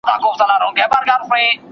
خوږېدل یې سرتر نوکه ټول هډونه